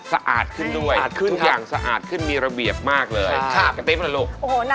สะอาดขึ้นด้วยทุกอย่างสะอาดขึ้นมีระเบียบมากเลยกระติ๊บเหรอลูก